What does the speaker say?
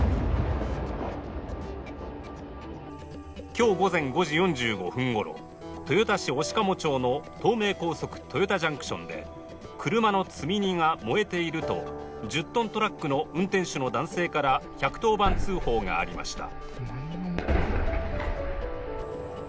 今日午前５時４５分ごろ豊田市鴛鴨町の東名高速豊田ジャンクションで車の積み荷が燃えていると１０ｔトラックの運転手の男性から１１０番通報がありました。